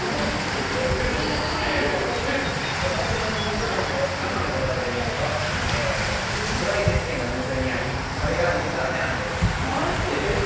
ホタテのヒモの部分を生の状態で見ると黒い点々が無数にありこれが実は目なんです。